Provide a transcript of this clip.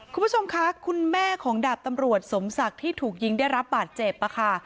คุณผู้ชมคะคุณแม่ของดาบตำรวจสมศักดิ์ที่ถูกยิงได้รับบาดเจ็บค่ะ